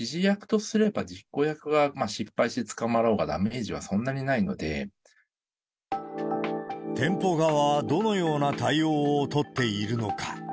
指示役とすれば、実行役が失敗して捕まろうが、ダメージはそんな店舗側はどのような対応を取っているのか。